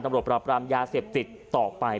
กษมดิ์ประบำยาเสพติดต่อไป